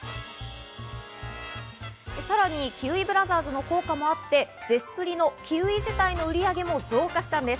さらにキウイブラザーズの効果もあってゼスプリのキウイ自体の売り上げも増加したんです。